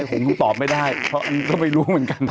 คงตอบไม่ได้เพราะก็ไม่รู้เหมือนกัน